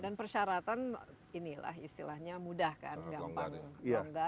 dan persyaratan inilah istilahnya mudah kan gampang